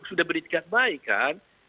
dia sudah berdiri dia sudah berdiri